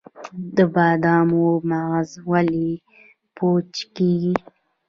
د بادامو مغز ولې پوچ کیږي؟